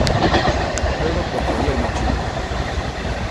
Todo por poñerme chulo.